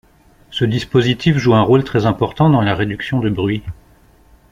Ce dispositif joue un rôle très important dans la réduction de bruit.